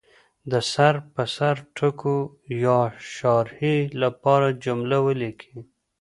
د سر په سر ټکو یا شارحې لپاره جمله ولیکي.